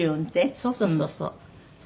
そうそうそうそう。